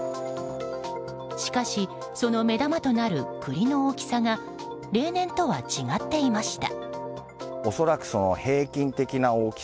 しかし、その目玉となる栗の大きさが例年とは違っていました。